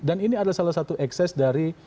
dan ini adalah salah satu ekses dari